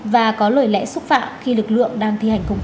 và có lời lẽ xúc phạm khi lực lượng đang thi hành công vụ